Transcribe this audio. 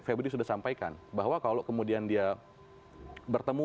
febri sudah sampaikan bahwa kalau kemudian dia bertemu